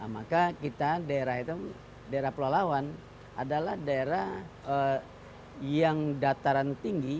maka kita daerah itu daerah pelalawan adalah daerah yang dataran tinggi